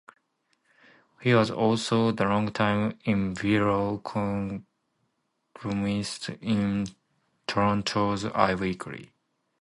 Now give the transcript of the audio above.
He was also the longtime "Enviro" columnist in Toronto's "eye weekly".